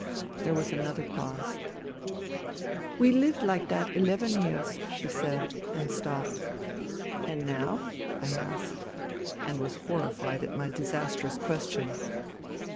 There was another pause. THE THREE SISTERS 8d " We lived like that eleven years/* she said, and stopped. " And now ?" I asked, and was horrified at my disastrous question.